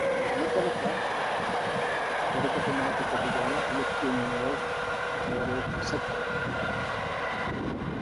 በመጨረሻም ወደ ከተማዋ ከገቡ በኋላ ሁለት ሺህ የሚሆኑ ነዋሪዎችን ሰቀሉ።